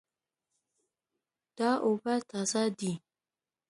دا اوبه تازه دي